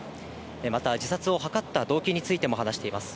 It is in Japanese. また、自殺を図った動機についても話しています。